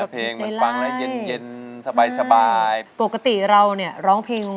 แปลกแปลกแปลด